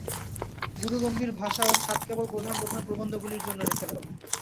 গুরুগম্ভীর ভাষা ও ছাঁদ কেবল প্রধান প্রধান প্রবন্ধগুলির জন্য রেখে দাও।